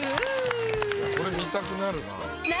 これ見たくなるな。